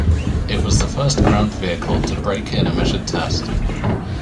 It was the first ground vehicle to break in a measured test.